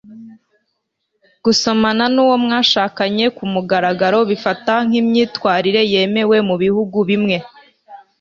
gusomana nuwo mwashakanye kumugaragaro bifatwa nkimyitwarire yemewe mubihugu bimwe